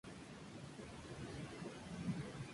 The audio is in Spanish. que yo partiese